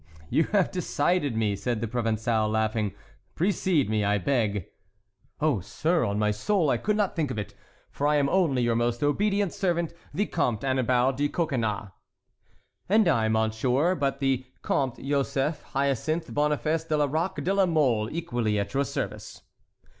"You have decided me," said the Provençal, laughing; "precede me, I beg." "Oh, sir, on my soul I could not think of it, for I am only your most obedient servant, the Comte Annibal de Coconnas." "And I, monsieur, but the Comte Joseph Hyacinthe Boniface de Lerac de la Mole, equally at your service."